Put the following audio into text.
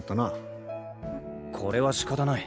これはしかたない。